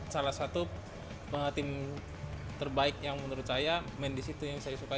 salah satu pengatim terbaik yang menurut saya main di situ yang saya sukai